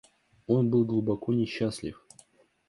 Он был глубоко несчастлив.